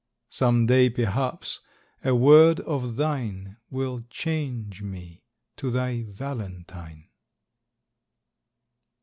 Some day, perhaps, a word of thine Will change me to thy VALENTINE.